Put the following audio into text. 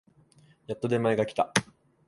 やっと出前が来た